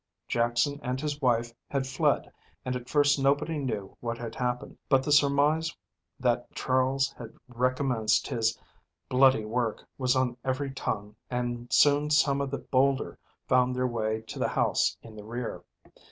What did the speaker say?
Jackson and his wife had fled and at first nobody knew what had happened, but the surmise that Charles had recommenced his bloody work was on every tongue and soon some of the bolder found their way to the house in the rear.